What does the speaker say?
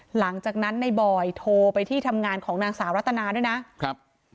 หลังจากนั้นในบอยโทรไปที่ทำงานของนางสาวรัตนาด้วยนะครับ